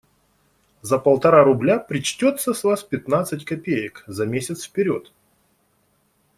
За полтора рубля причтется с вас пятнадцать копеек, за месяц вперед.